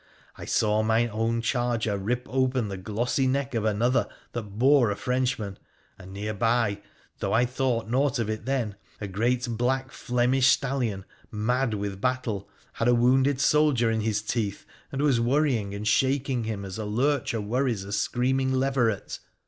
I saw my own charger rip open th glossy neck of another that bore a Frenchman ; and near by though I thought naught of it then — a great black Flemisl stallion, mad with battle, had a wounded soldier in his teeth and was worrying and shaking him as a lurcher worries , screaming leveret.